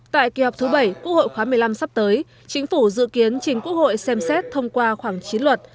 tại kỳ họp thứ bảy quốc hội khóa một mươi năm sắp tới chính phủ dự kiến trình quốc hội xem xét thông qua khoảng chín luật